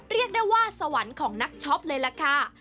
เรียกได้ว่าสวรรค์ของนักช็อปเลยล่ะค่ะ